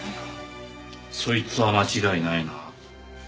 そいつは間違いないな。